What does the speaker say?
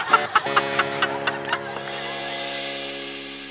ตื้อห้วน